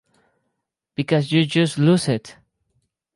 Because you just lose it.